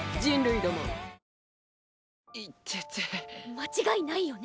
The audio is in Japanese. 間違いないよね。